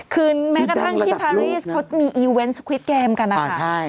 คือแม้กระทั่งที่พารีสเขามีอีเวนต์สควิตเกมกันนะคะ